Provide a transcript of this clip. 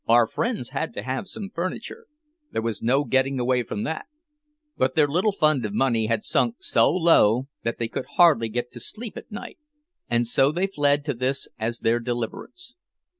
Our friends had to have some furniture, there was no getting away from that; but their little fund of money had sunk so low that they could hardly get to sleep at night, and so they fled to this as their deliverance.